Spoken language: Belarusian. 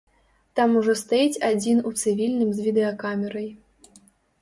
Там ужо стаіць адзін у цывільным з відэакамерай.